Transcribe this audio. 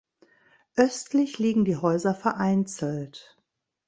Östlich liegen die Häuser vereinzelt.